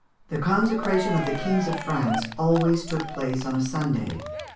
] The consecration of the kings of France always took place on a Sunday.